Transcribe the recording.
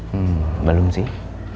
hmm belum sih